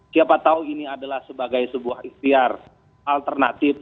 siapa tahu ini adalah sebagai sebuah ikhtiar alternatif